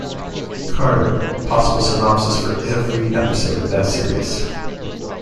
Carter, a possible synopsis for every episode of that series.